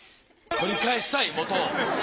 取り返したい元を。